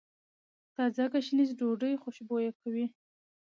تازه ګشنیز ډوډۍ خوشبويه کوي.